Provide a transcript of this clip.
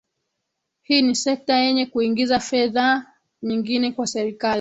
Hii ni sekta yenye kuingiza fedha nyingi kwa serikali